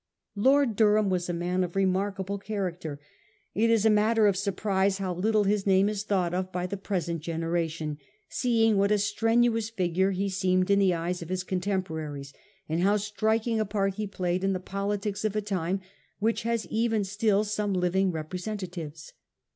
Lord Durham was a man of remarkable character. It is a matter of surprise how little his name is thought of by the present generation, seeing what a strenuous figure he seemed in the eyes of his con temporaries, and how striking a part he played in the politics of a time which has even still some living representatives.